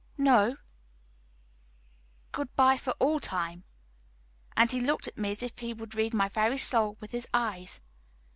"No, good by for all time," and he looked at me as if he would read my very soul with his eyes.